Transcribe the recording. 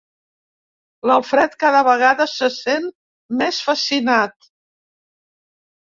L'Alfred cada vegada se sent més fascinat.